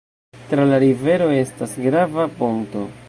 Tra la rivero estas grava ponto.